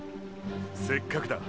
せっかくだ。